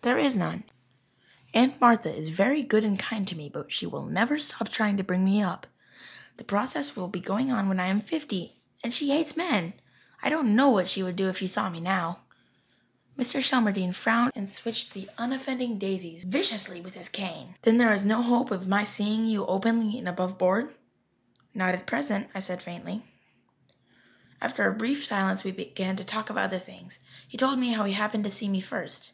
"There is none. Aunt Martha is very good and kind to me, but she will never stop trying to bring me up. The process will be going on when I am fifty. And she hates men! I don't know what she would do if she saw me now." Mr. Shelmardine frowned and switched the unoffending daisies viciously with his cane. "Then there is no hope of my seeing you openly and above board?" "Not at present," I said faintly. After a brief silence we began to talk of other things. He told me how he happened to see me first.